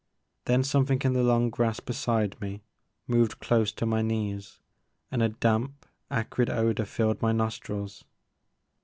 Then something in the long grass beside me moved close to my knees and a damp acrid odor filled my nostrils.